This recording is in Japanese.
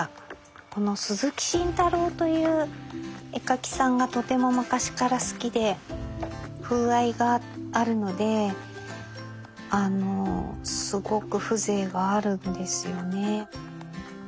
この鈴木信太郎という絵描きさんがとても昔から好きで風合いがあるのですごく風情があるんですよね。